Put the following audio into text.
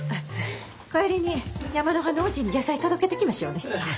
帰りに山入端のおじいに野菜届けてきましょうね。